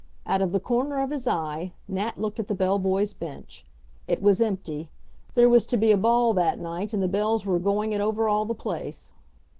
Out of the corner of his eye, Nat looked at the bell boy's bench. It was empty. There was to be a ball that night, and the bells were going it over all the place.